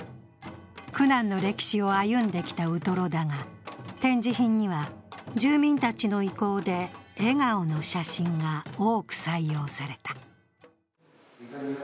苦難の歴史を歩んできたウトロだが、展示品には、住民たちの意向で笑顔の写真が多く採用された。